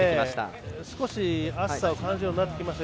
少し、暑さを感じるようになってきました。